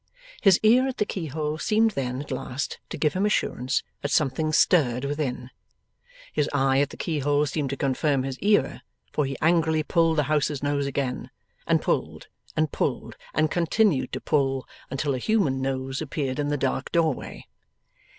His ear at the keyhole seemed then, at last, to give him assurance that something stirred within. His eye at the keyhole seemed to confirm his ear, for he angrily pulled the house's nose again, and pulled and pulled and continued to pull, until a human nose appeared in the dark doorway.